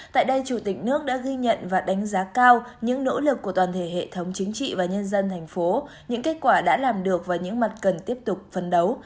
tại đây chủ tịch nước đã ghi nhận và đánh giá cao những nỗ lực của toàn thể hệ thống chính trị và nhân dân thành phố những kết quả đã làm được và những mặt cần tiếp tục phấn đấu